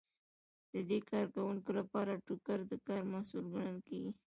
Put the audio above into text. د دې کارکوونکو لپاره ټوکر د کار محصول ګڼل کیږي.